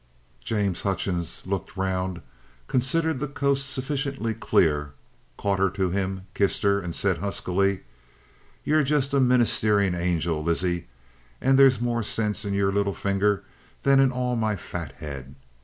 James Hutchings looked round, considered the coast sufficiently clear, caught her to him, kissed her, and said huskily: "You're just a ministering angel, Lizzie, and there's more sense in your little finger than in all my fat head.